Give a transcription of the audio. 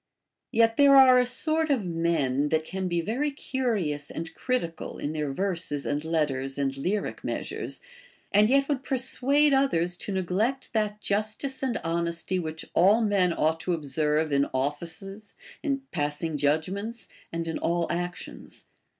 Yet there are a sort of men that can be very curious and critical in their verses and letters and lyric measures, and yet would persuade others to neglect that justice and hon esty which all men ought to observe in offices, in passing judgments, and in all actions.